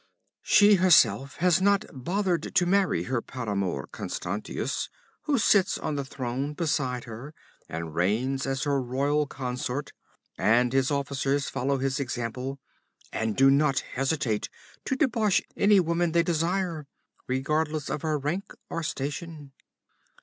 'She herself has not bothered to marry her paramour, Constantius, who sits on the throne beside her and reigns as her royal consort, and his officers follow his example, and do not hesitate to debauch any woman they desire, regardless of her rank or station.